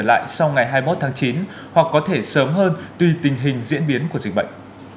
trở lại sau ngày hai mươi một tháng chín hoặc có thể sớm hơn tùy tình hình diễn biến của dịch bệnh